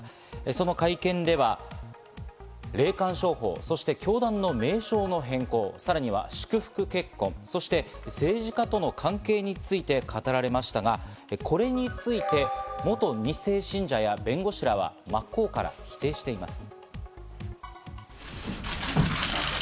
その会見では、霊感商法、教団の名称の変更、さらには祝福結婚、そして政治家との関係について語られましたが、これについて元２世信者や弁護士らは、真っ向から否定しています。